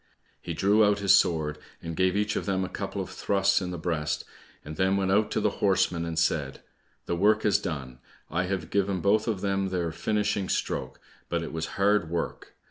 He drew out his sword and gave each of them a couple of thrusts in the breast, and then went out to the horsemen and said, "The work is done; I have given both of them their finishing stroke, but it was hard work!